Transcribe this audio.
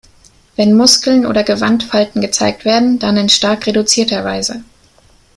Wenn Muskeln oder Gewandfalten gezeigt werden, dann in stark reduzierter Weise.